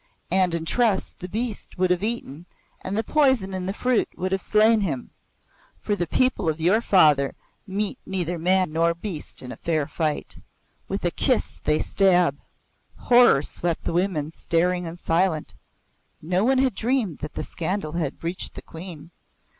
And in trust the beast would have eaten, and the poison in the fruit would have slain him. For the people of your father meet neither man nor beast in fair fight. With a kiss they stab!" Horror kept the women staring and silent. No one had dreamed that the scandal had reached the Queen.